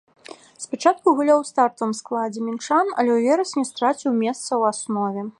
Спачатку гуляў у стартавым складзе мінчан, але ў верасні страціў месца ў аснове.